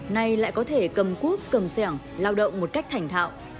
nay lại có thể cầm cuốc cầm xẻng lao động một cách thành thạo